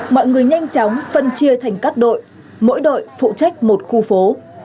mọi người nhanh chóng phân chia thành các đội mỗi đội phụ trách một khu phố